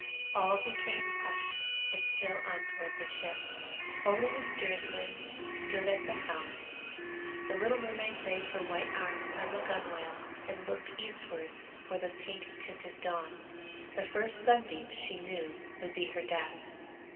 All became hushed and still on board the ship, only the steersman stood at the helm; the little mermaid laid her white arms on the gunwale and looked eastwards for the pink tinted dawn; the first sunbeam, she knew, would be her death.